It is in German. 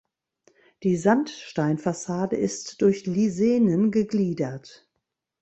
Die Sandsteinfassade ist durch Lisenen gegliedert.